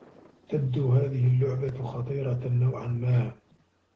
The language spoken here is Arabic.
تبدو هذه اللّعبة خطيرة نوعا ما.